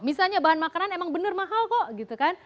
misalnya bahan makanan emang benar mahal kok